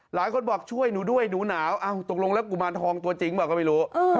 หลายคนบอกช่วยหนูด้วยหนูหนาวตกลงแล้วกุมารทองตัวจริงเปล่าก็ไม่รู้